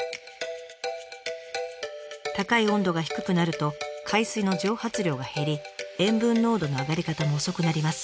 高い温度が低くなると海水の蒸発量が減り塩分濃度の上がり方も遅くなります。